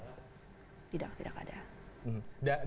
tidak tidak ada